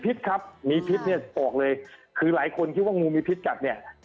ที่มูที่มีพิศครับป็อกเลยคือหลายคนคิดว่ามูมีพิศจากเนี่ย